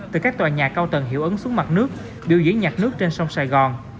từ các tòa nhà cao tầng hiệu ứng xuống mặt nước biểu diễn nhạc nước trên sông sài gòn